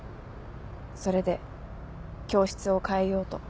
それで教室を変えようと。